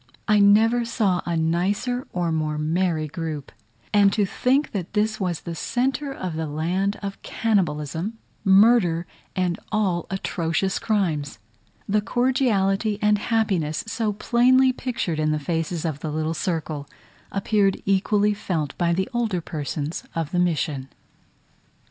I never saw a nicer or more merry group; and to think that this was in the centre of the land of cannibalism, murder, and all atrocious crimes! The cordiality and happiness so plainly pictured in the faces of the little circle, appeared equally felt by the older persons of the mission.